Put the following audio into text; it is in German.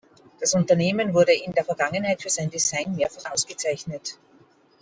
Das Unternehmen wurde in der Vergangenheit für sein Design mehrfach ausgezeichnet.